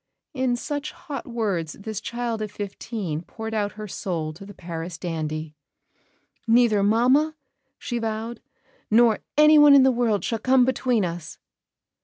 In such hot words this child of fifteen poured out her soul to the Paris dandy. "Neither mamma," she vowed, "nor anyone in the world shall come between us."